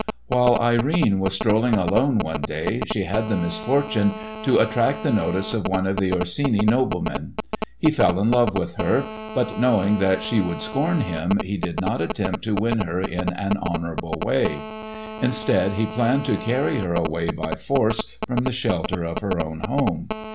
While Irene was strolling alone one day, she had the misfortune to attract the notice of one of the Orsini noblemen. He fell in love with her, but, knowing that she would scorn him, he did not attempt to win her in an honourable way. Instead, he planned to carry her away by force from the shelter of her own home!